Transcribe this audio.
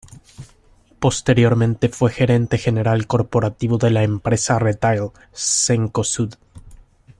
Posteriormente fue gerente general corporativo de la empresa "retail" Cencosud.